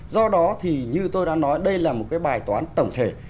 do đó thì như tôi đã nói đây là một cái bài toán tổng thể